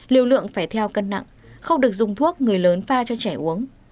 lưu lượng phải theo cân nặng không được dùng thuốc người lớn pha cho trẻ uống